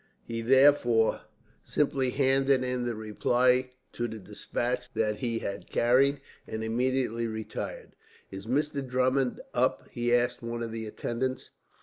He therefore simply handed in the reply to the despatch that he had carried, and immediately retired. "Is Mr. Drummond up?" he asked one of the attendants.